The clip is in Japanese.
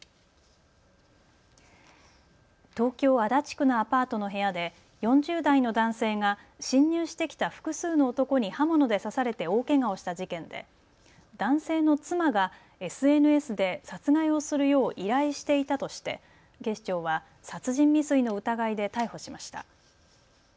東京足立区のアパートの部屋で４０代の男性が侵入してきた複数の男に刃物で刺されて大けがをした事件で男性の妻が、ＳＮＳで殺害をするよう依頼していたとして警視庁は殺人未遂の疑いで逮捕しました。